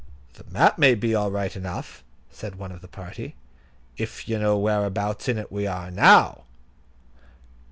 "The map may be all right enough," said one of the party, "if you know whereabouts in it we are now."